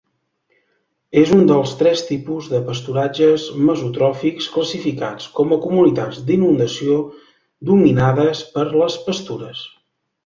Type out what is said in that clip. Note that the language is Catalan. És un dels tres tipus de pasturatges mesotròfics classificats com a comunitats d'inundació dominades per les pastures.